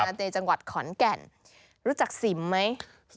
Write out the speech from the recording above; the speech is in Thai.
ในจังหวัดขอนแก่นรู้จักสิมไหม